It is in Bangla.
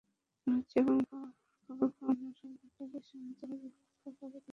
ওষুধ সেবন, খাবার খাওয়ানোসহ ডাক্তারদের সঙ্গে যোগাযোগ রক্ষা করা তাদের কাজ।